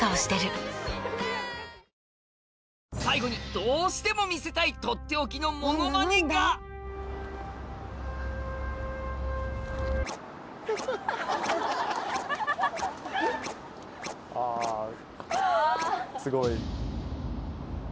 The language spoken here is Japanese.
最後にどうしても見せたいとっておきのモノマネが困る困る！